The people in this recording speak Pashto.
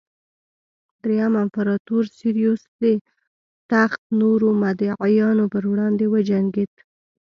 درېیم امپراتور سېوروس د تخت نورو مدعیانو پر وړاندې وجنګېد